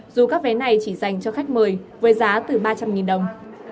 dù các vé này chỉ dành cho khách mời với giá từ ba trăm linh đồng